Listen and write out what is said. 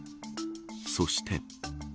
そして。